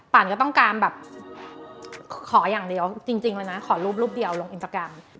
ป่านก็ต้องการขออย่างเดียวจริงเลยนะขอรูปเดียวลงอินตรกรรม